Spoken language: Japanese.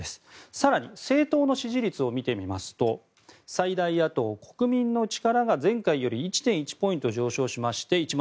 更に政党の支持率を見てみますと最大野党・国民の力が前回より１．１ポイント上昇しまして一番